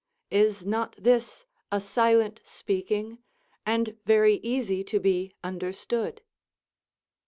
is not this a silent speaking, and very easy to be understood?